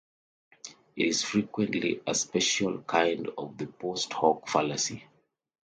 It is frequently a special kind of the post hoc fallacy.